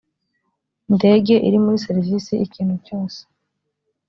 ndege iri muri serivisi ikintu cyose